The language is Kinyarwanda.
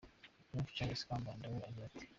Prof Charles Kambanda we agira ati: